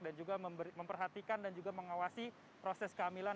dan juga memperhatikan dan juga mengawasi proses kehamilan